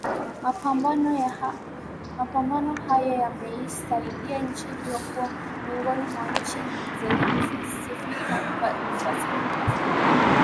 Mapambano haya yameisaidia nchi hiyo kuwa miongoni mwa nchi zenye kusifika kwa usafi Afrika